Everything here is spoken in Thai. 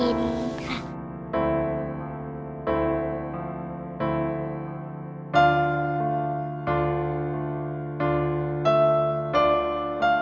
แล้วหนูก็บอกว่าไม่เป็นไรห้าว่างนะคะ